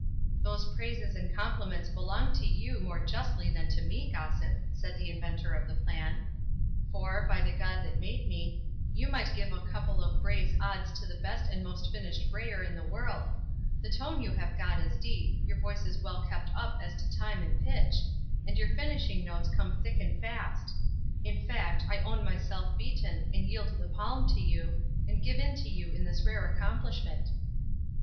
'Those praises and compliments belong to you more justly than to me, gossip,' said the inventor of the plan; 'for, by the God that made me, you might give a couple of brays odds to the best and most finished brayer in the world; the tone you have got is deep, your voice is well kept up as to time and pitch, and your finishing notes come thick and fast; in fact, I own myself beaten, and yield the palm to you, and give in to you in this rare accomplishment.